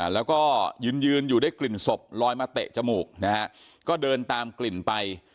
แล้วก็ยืนยืนอยู่ได้กลิ่นศพลอยมาเตะจมูกนะฮะก็เดินตามกลิ่นไป